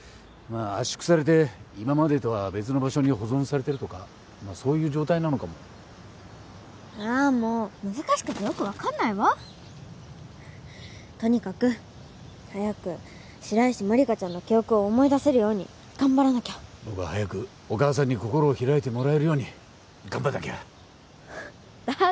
まあ圧縮されて今までとは別の場所に保存されてるとかそういう状態なのかもあーもう難しくてよく分かんないわとにかく早く白石万理華ちゃんの記憶を思い出せるように頑張らなきゃ僕は早くお母さんに心を開いてもらえるように頑張んなきゃだ